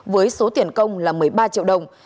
với số tiền công là một mươi ba triệu đồng